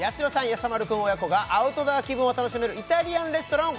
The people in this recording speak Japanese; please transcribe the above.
やさ丸くん親子がアウトドア気分を楽しめるイタリアンレストランをご紹介